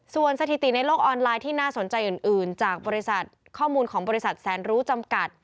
ส่วนสถิติในโลกออนไลน์ที่น่าสนใจอื่นจากบริษัทข้อมูลของบริษัทแสนรู้จำกัด